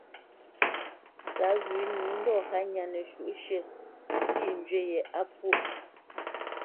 Tǎ wʉ̌ nǐ ndɔ̂ hánya nəshwǔʼshʉ̂ sǐ njywí yě á pwô.